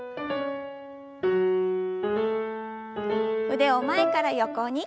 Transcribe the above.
腕を前から横に。